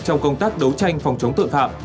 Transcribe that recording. trong công tác đấu tranh phòng chống tội phạm